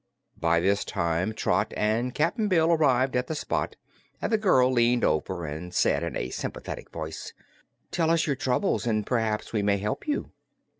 By this time Trot and Cap'n Bill arrived at the spot and the girl leaned over and said in a sympathetic voice: "Tell us your troubles and perhaps we may help you."